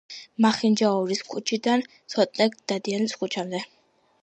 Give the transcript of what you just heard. მახინჯაურის ქუჩიდან ცოტნე დადიანის ქუჩამდე.